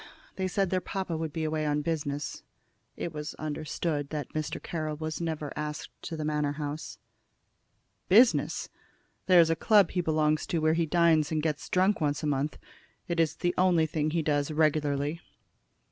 They said their papa would be away on business." It was understood that Mr. Carroll was never asked to the Manor house. "Business! There is a club he belongs to where he dines and gets drunk once a month. It's the only thing he does regularly."